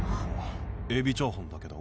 エビチャーハンだけど。